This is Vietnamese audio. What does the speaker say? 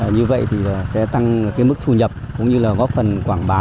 như vậy thì sẽ tăng cái mức thu nhập cũng như là góp phần quảng bá